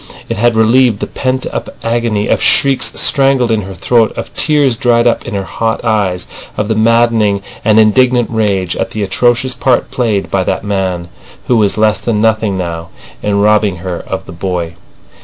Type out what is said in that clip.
It had relieved the pent up agony of shrieks strangled in her throat, of tears dried up in her hot eyes, of the maddening and indignant rage at the atrocious part played by that man, who was less than nothing now, in robbing her of the boy.